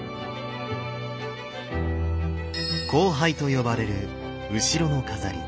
光背と呼ばれる後ろの飾り。